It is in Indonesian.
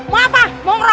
mau apa mau ngeroyok